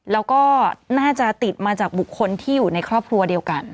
แล้วก็น่าจะติดมาจากบุคคลที่อยู่ในครอบครัวเดียวกัน